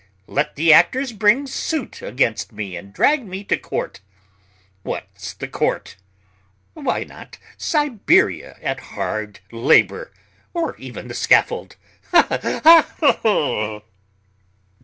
Let the actors bring suit against me and drag me to court. What's the court? Why not Siberia at hard labour, or even the scaffold? Ha, ha, ha!"